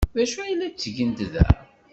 D acu ay la ttgent da?